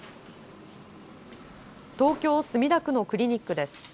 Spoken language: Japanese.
東京墨田区のクリニックです。